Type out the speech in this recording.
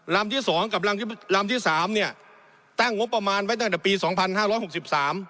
ลำที่สองกับลำที่สามเนี้ยตั้งงบประมาณไว้ตั้งแต่ปีสองพันห้าร้อยหกสิบสาม